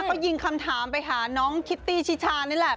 ก็ยิงคำถามไปหาน้องคิตตี้ชิชานี่แหละ